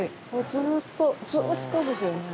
ずっとずっとですよね。